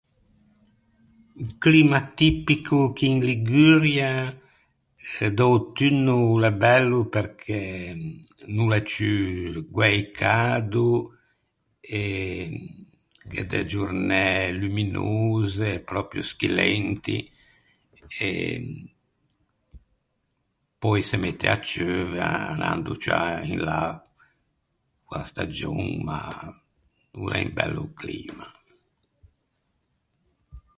Un climma tipico chì in Liguria, d’ötunno l’é bello perché no l’é ciù guæi cado e gh’é de giornæ luminose, pròpio schillenti e pöi se mette à ceuve anando ciù in là co-a stagion ma no l’é un bello climma.